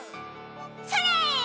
それ！